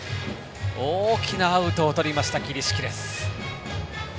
大きなアウトをとりました桐敷。